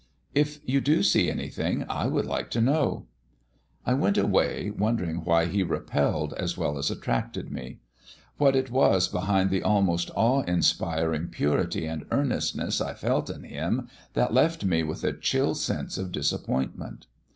"If you do see anything, I should like to know." I went away, wondering why he repelled as well as attracted me; what it was behind the almost awe inspiring purity and earnestness I felt in him that left me with a chill sense of disappointment?